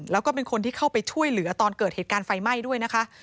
แล้วก็เป็นคนที่เข้าไปช่วยเหลือตอนเกิดเหตุการณ์ไฟไหม้ด้วยนะคะ